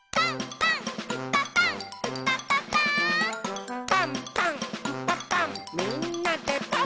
「パンパンんパパンみんなでパン！」